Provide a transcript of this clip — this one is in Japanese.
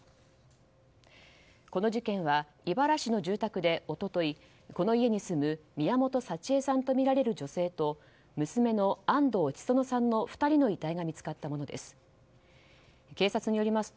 この事件は井原市の住宅で一昨日この家に住む宮本幸枝さんとみられる女性と娘の安藤千園さんの２人の遺体が見つかったものです。